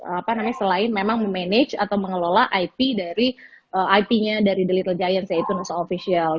apa namanya selain memang memanage atau mengelola ip dari ip nya dari the little giants yaitu nusa official